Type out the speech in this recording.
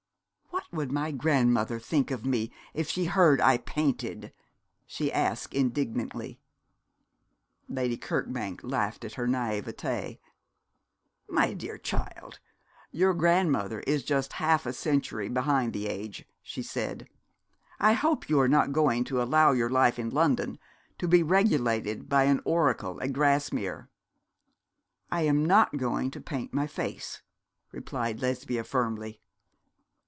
'What would my grandmother think of me if she heard I painted?' she asked, indignantly. Lady Kirkbank laughed at her naïveté. 'My dear child, your grandmother is just half a century behind the age,' she said. 'I hope you are not going to allow your life in London to be regulated by an oracle at Grasmere?' 'I am not going to paint my face,' replied Lesbia, firmly.